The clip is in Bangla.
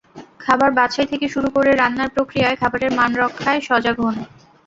খাবার বাছাই থেকে শুরু করে রান্নার প্রক্রিয়ায় খাবারের মান রক্ষায় সজাগ হন।